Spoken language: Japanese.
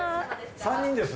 ３人です。